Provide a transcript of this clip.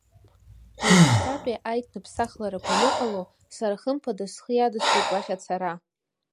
Уажәшьҭатәи аиҭныԥсахларақәа аныҟало, сара хымԥада схы иадысҵоит уахь ацара…